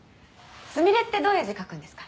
スミレってどういう字書くんですか？